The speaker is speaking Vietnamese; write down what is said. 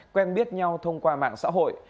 quen biết nhau thông qua mạng xã hội